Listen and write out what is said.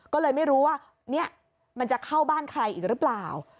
ก็เลยไม่รู้ว่าเนี่ยมันจะเข้าบ้านใครอีกหรือเปล่า